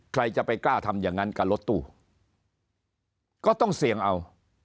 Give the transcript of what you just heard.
ใครจะไปกล้าทำอย่างนั้นกับรถตู้ก็ต้องเสี่ยงเอา